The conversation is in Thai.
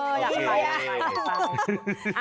โอเค